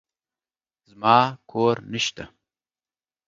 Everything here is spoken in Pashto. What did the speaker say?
زما کور نشته.